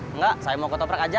enggak saya mau kotak prak aja